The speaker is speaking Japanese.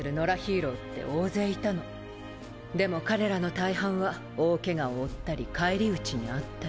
でも彼らの大半は大ケガを負ったり返り討ちに遭ったり。